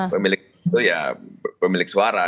pemilik itu ya pemilik suara